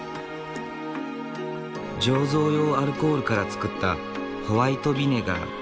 醸造用アルコールから作ったホワイトビネガー。